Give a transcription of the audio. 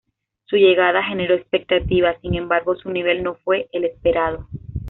Su llegada generó expectativa, sin embargo, su nivel no fue el esperado.